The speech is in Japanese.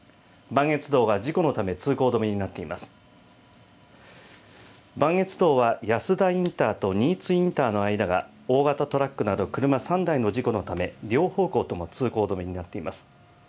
磐越道は安田インターと新津インターの間が、大型トラックなど車３台の事故のため、両方向とも通行止めになっています。